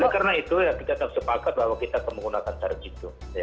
karena itu kita tersepakat bahwa kita akan menggunakan tarif itu